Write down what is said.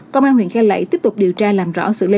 công an huyện cai lậy tiếp tục điều tra làm rõ xử lý